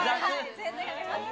全然やります。